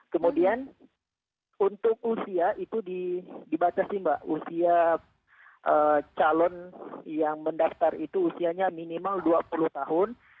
kemudian untuk usia itu dibatasi mbak usia calon yang mendaftar itu usianya minimal dua puluh tahun